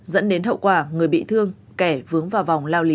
dẫn đến hậu quả người bị thương kẻ vướng vào vòng lao lý